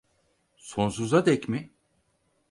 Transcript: Sonsuza dek mi?